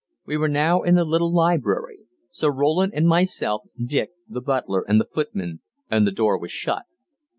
We were now in the little library Sir Roland and myself, Dick, the butler and the footman, and the door was shut.